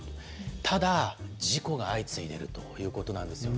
ただ、事故が相次いでいるということなんですよね。